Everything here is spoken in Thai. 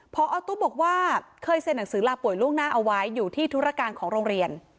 พอตู้บอกว่าเคยเซ็นหนังสือลาป่วยล่วงหน้าเอาไว้อยู่ที่ธุรการของโรงเรียน